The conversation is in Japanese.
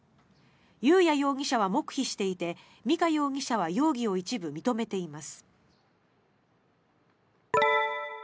裕也容疑者は黙秘していて美香容疑者は容疑を一部認めています。